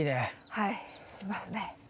はいしますね。